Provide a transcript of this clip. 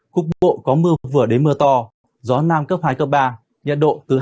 khu vực bộ có mưa vừa đến mưa to gió nam cấp hai cấp ba nhiệt độ từ hai mươi sáu đến ba mươi bốn độ